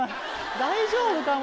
大丈夫か？